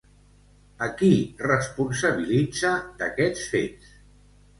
A qui responsabilitza d'aquests fets?